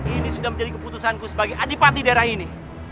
ini sudah menjadi keputusanku sebagai adipati daerah ini